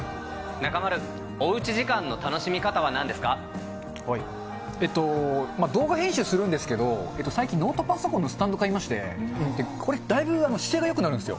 中丸、おうち時間の楽しみ方動画編集するんですけど、最近、ノートパソコンのスタンド買いまして、これ、だいぶ姿勢がよくなるんですよ。